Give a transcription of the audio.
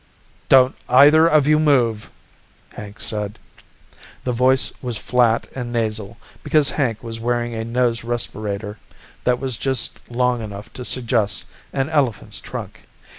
"Don't either of you move," Hank said. The voice was flat and nasal because Hank was wearing a nose respirator that was just long enough to suggest an elephant's trunk.